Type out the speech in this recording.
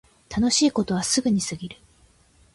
楽しいことはすぐに過ぎる